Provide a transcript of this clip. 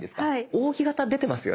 扇形出てますよね？